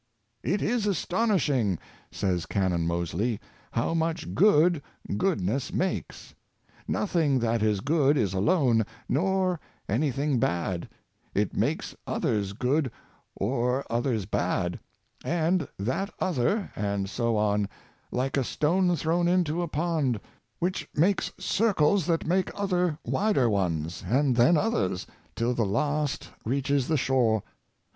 " It is aston ishing," says Canon Moseley, " how much good good ness makes. Nothing that is good is alone, nor any thing bad; it makes others good or others bad — and that other, and so on, like a stone thrown into a pond, which makes circles that make other wider ones, and then others, till the last reaches the shore.